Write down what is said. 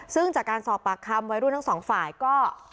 ซึ่งจากการสอบปากคำวัยรุ่นทั้งสองฝ่ายก็